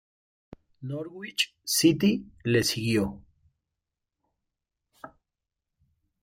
Norwich City le siguió.